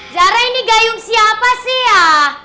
cara ini gayung siapa sih ya